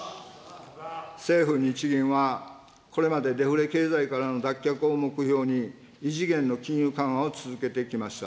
政府・日銀は、これまでデフレ経済からの脱却を目標に、異次元の金融緩和を続けてきました。